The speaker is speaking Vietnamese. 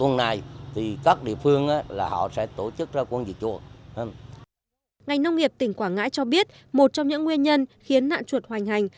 ngành nông nghiệp tỉnh quảng ngãi cho biết một trong những nguyên nhân khiến nạn chuột hoành hành